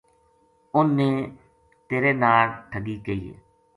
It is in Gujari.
اُنھ نے تیرے ناڑ ٹھگی کئی ہے